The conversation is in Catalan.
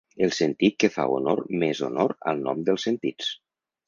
El sentit que fa honor més honor al nom dels sentits.